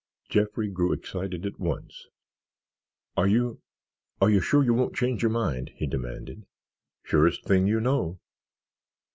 Jeffrey grew excited at once. "Are you—are you sure you won't change your mind?" he demanded. "Surest thing you know."